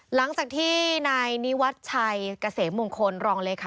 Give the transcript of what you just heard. หลังจากที่นายนิวัชชัยเกษมมงคลรองเลยค่ะ